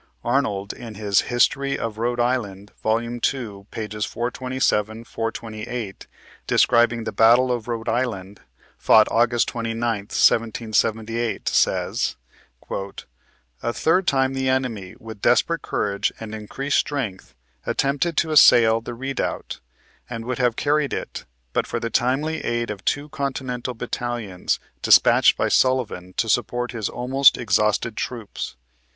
Arnold, in his " History of Rhode Island," vol. ii., pp. 427, 428, describing the "Battle of Rhode Island," fought August 29th, 1778, says: "A third time the enemy, with desperate courage and increased strength, attempted to assail the redoubt, and would have carried it, but for the timely aid of two Continental battalions despatched by Sullivan to support his almost exhausted troops.